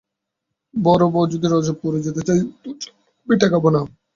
বড়োবউ যদি রজবপুরে যেতে চায় তো যাক, আমি ঠেকাব না।